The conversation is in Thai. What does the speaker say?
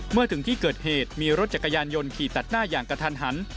เมื่อถึงที่เกิดเหตุมีรถจักรยานยนต์ขี่ตัดหน้าอย่างกระทันหัน